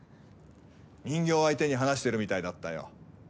人形相手に話してるみたいだったよ。